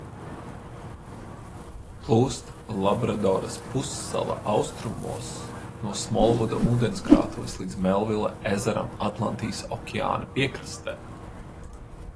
Plūst Labradoras pussalas austrumos no Smolvuda ūdenskrātuves līdz Melvila ezeram Atlantijas okeāna piekrastē.